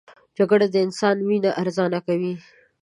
جګړه د انسان وینه ارزانه کوي